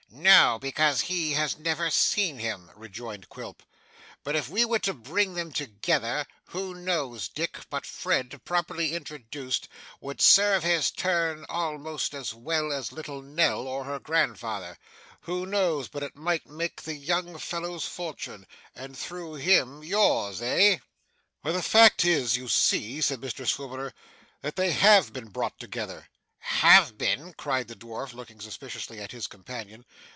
No, because he has never seen him,' rejoined Quilp; 'but if we were to bring them together, who knows, Dick, but Fred, properly introduced, would serve his turn almost as well as little Nell or her grandfather who knows but it might make the young fellow's fortune, and, through him, yours, eh?' 'Why, the fact is, you see,' said Mr Swiveller, 'that they HAVE been brought together.' 'Have been!' cried the dwarf, looking suspiciously at his companion.